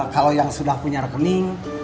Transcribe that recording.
kalau yang sudah punya rekening